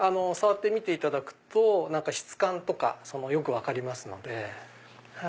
触ってみていただくと質感とかよく分かりますので。